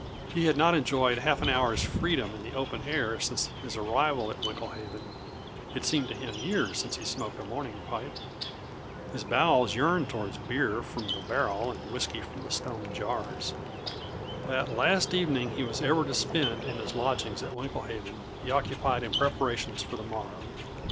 He had not enjoyed half an hour's freedom in the open air since his arrival at Winklehaven; it seemed to him years since he smoked a morning pipe. His bowels yearned towards beer from the barrel and whiskey from stone jars. That last evening he was ever to spend in his lodgings at Winklehaven he occupied in preparations for the morrow.